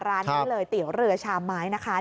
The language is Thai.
ร้านเท่าไหร่เตี๋ยวเหลือชามไม้นะคะ